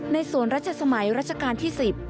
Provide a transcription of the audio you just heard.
ในส่วนรัชสมัยรัชกาลที่๑๐